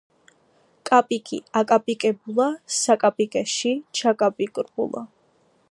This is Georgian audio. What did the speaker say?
კაპიკი აკაპიკებულა საკაპიკეში ჩაკაპიკრბულა